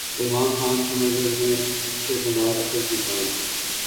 سلمان خان کی نظر میں اکشے کمار اصل سلطان